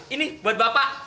ini buat bapak